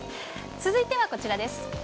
続いてはこちらです。